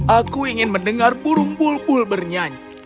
aku ingin mendengar burung bulbul bernyanyi